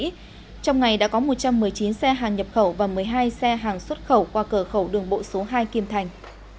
trong ngày đã có một trăm một mươi chín xe hàng nhập khẩu và một mươi hai xe hàng xuất khẩu qua cửa khẩu đường bộ số hai kim thành